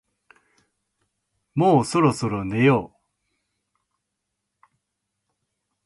もうそろそろ寝よう